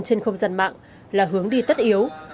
trên không gian mạng là hướng đi tất yếu